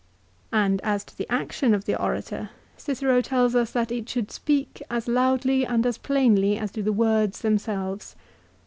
And as to the action of the orator Cicero tells us that it should speak as loudly and as plainly as do the words themselves.